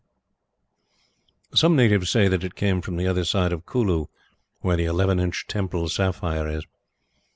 Some natives say that it came from the other side of Kulu, where the eleven inch Temple Sapphire is.